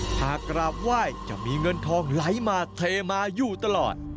กราบไหว้จะมีเงินทองไหลมาเทมาอยู่ตลอด